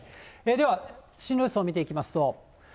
では進路予想を見ていきますと。